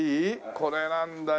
これなんだよ。